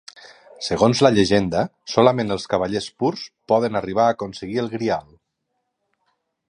Segons la llegenda, solament els cavallers purs poden arribar a aconseguir el Grial.